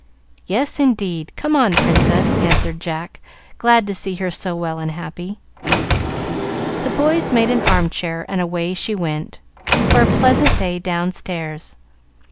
"Yes, indeed! Come on, Princess," answered Jack, glad to see her so well and happy. The boys made an arm chair, and away she went, for a pleasant day downstairs.